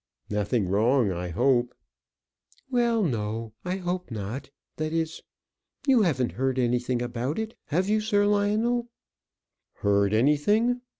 "Nothing wrong, I hope?" "Well, no; I hope not. That is you haven't heard anything about it, have you, Sir Lionel?" "Heard anything!